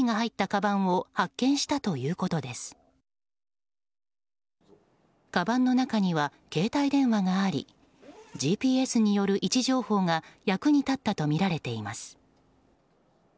かばんの中には携帯電話がありＧＰＳによる位置情報が役に立ったとみられています。